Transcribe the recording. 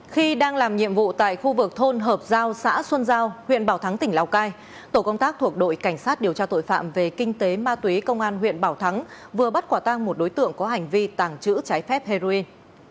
khi đang làm nhiệm vụ tại khu vực thôn hợp giao xã xuân giao huyện bảo thắng tỉnh lào cai tổ công tác thuộc đội cảnh sát điều tra tội phạm về kinh tế ma túy công an huyện bảo thắng vừa bắt quả tang một đối tượng có hành vi tàng trữ trái phép heroin